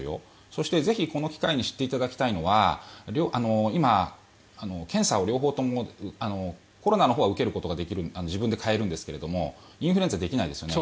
そして、ぜひこの機会に知っていただきたいのは今、検査を両方ともコロナのほうは自分で買うことができるんですがインフルエンザはできないですよね。